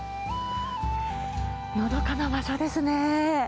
のどかな場所ですね。